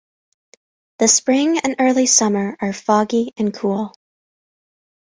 The spring and early summer are foggy and cool.